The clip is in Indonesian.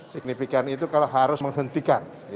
signifikan itu kalau harus menghentikan